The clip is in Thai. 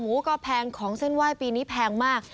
ก็แพงของเส้นไหว้ปีนี้แพงมาก